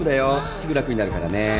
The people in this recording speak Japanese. すぐ楽になるからね。